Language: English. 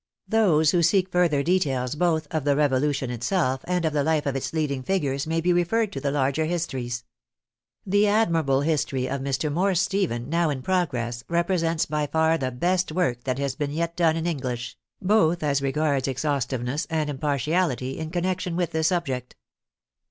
Those who seek further details both of the Revolution itself and of the life of its leading figures may be re ferred to the larger histories. The admirable history of Mr. Morse Stephen now in progress represents by far the best work that has as yet been done in English (both as regards exhaustiveness and impartiality) in connection with the subject.